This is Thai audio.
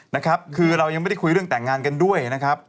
นะครับคือเรายังไม่ได้คุยเรื่องแต่งงานกันด้วยนะครับ